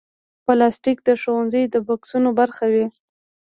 پلاستيک د ښوونځي د بکسونو برخه وي.